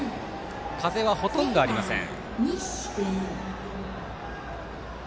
風はほとんどありません。